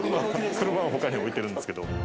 車は他に置いてるんですけど。